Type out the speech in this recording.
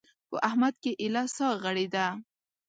په احمد کې ايله سا غړېده.